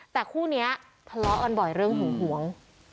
แต่คู่เนี้ยพลลำอันบ่อยเรื่องหูหวง